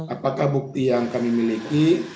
apakah bukti yang kami miliki